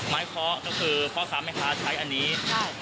ไม้เค้าะไม้เค้าะก็คือเค้าะสามเมฆาะใช้อันนี้ใช่